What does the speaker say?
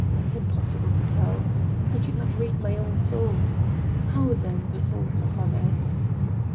Impossible to tell. I could not read my own thoughts. How, then, the thoughts of others!